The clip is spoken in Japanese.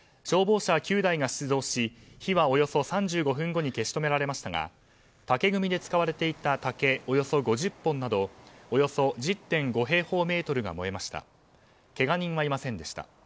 消防車９台が出動し火はおよそ３５分後に消し止められましたが竹組みで使われていた竹およそ５０本などおよそ１０．５平方メートルが燃えました。